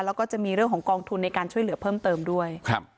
แล้วก็จะมีเรื่องของกองทุนในการช่วยเหลือเพิ่มเติมด้วยครับ